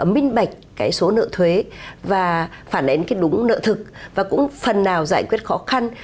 minh bạch cái số nợ thuế và phản ánh cái đúng nợ thực và cũng phần nào giải quyết khó khăn